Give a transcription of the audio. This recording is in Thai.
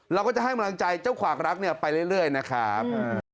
เราก็จะให้กำลังใจเจ้าขวากรักไปเรื่อยนะครับ